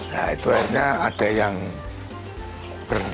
nah itu akhirnya ada yang berhenti